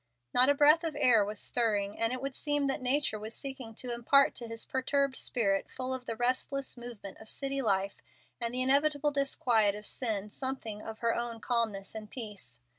Not a breath of air was stirring, and it would seem that Nature was seeking to impart to his perturbed spirit, full of the restless movement of city life and the inevitable disquiet of sin, something of her own calmness and peace.